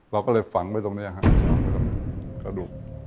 เราก็เลยฝังไว้ตรงนี้ครับกระดูก